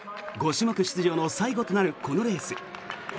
５種目出場の最後となるこのレース。